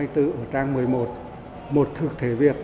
trang một mươi một một thực thể việc